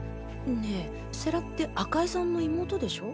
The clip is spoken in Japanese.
ねぇ世良って赤井さんの妹でしょ？